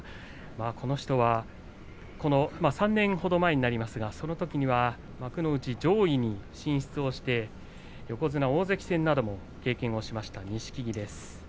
この人は３年ほど前になりますが幕内上位に進出をして横綱大関戦なども経験をしました錦木です。